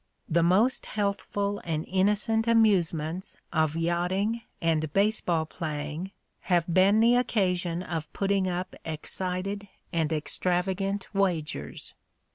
The most healthful and innocent amusements of yachting and base ball playing have been the occasion of putting up excited and extravagant wagers.